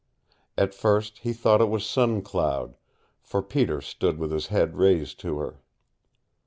At first he thought it was Sun Cloud, for Peter stood with his head raised to her.